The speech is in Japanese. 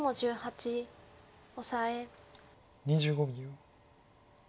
２５秒。